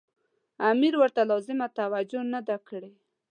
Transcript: امیر ورته لازمه توجه نه ده کړې.